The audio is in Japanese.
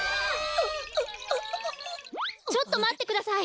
ちょっとまってください。